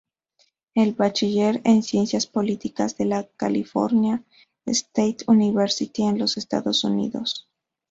Es Bachiller en Ciencias Políticas de la California State University en los Estados Unidos.